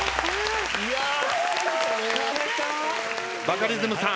バカリズムさん。